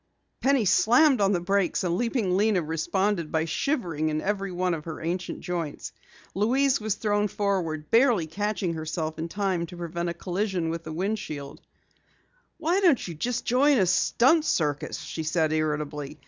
Penny slammed on the brakes and Leaping Lena responded by shivering in every one of her ancient joints. Louise was thrown forward, barely catching herself in time to prevent a collision with the windshield. "Why don't you join a stunt circus?" she said irritably.